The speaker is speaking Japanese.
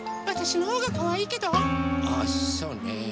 あっそうね。